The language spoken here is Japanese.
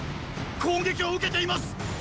攻撃を受けています！